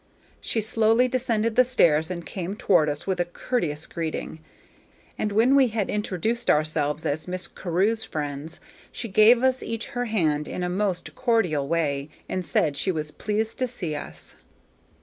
She slowly descended the stairs and came toward us with a courteous greeting, and when we had introduced ourselves as Miss Carew's friends she gave us each her hand in a most cordial way and said she was pleased to see us.